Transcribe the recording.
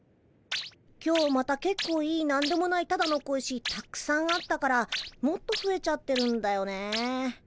今日またけっこういいなんでもないただの小石たくさんあったからもっとふえちゃってるんだよね。